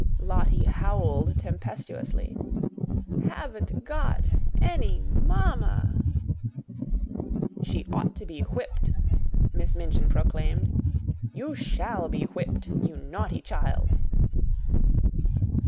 Lottie howled tempestuously. "Haven't got any mam ma a!" "She ought to be whipped," Miss Minchin proclaimed. "You SHALL be whipped, you naughty child!"